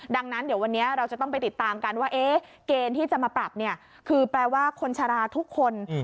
ดังนั้นเดี๋ยววันนี้เราจะต้องไปติดตามกันว่าเกณฑ์ที่จะมาปรับเนี่ยคือแปลว่าคนชะลาทุกคน